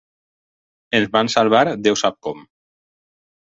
Ens vam salvar Déu sap com.